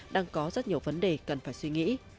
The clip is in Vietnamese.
đang có rất nhiều vấn đề cần phải suy nghĩ